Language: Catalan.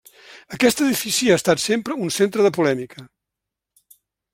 Aquest edifici ha estat sempre un centre de polèmica.